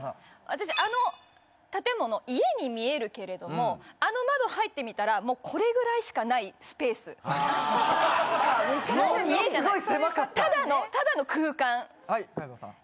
私あの建物家に見えるけれどもあの窓入ってみたらもうこれぐらいしかないスペースものすごい狭かったただのただの空間はい皆藤さん